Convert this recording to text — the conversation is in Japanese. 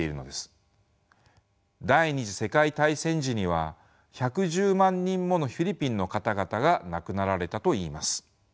第２次世界大戦時には１１０万人ものフィリピンの方々が亡くなられたといいます。